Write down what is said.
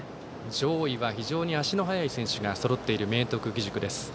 上位は非常に足の速い選手がそろっている明徳義塾です。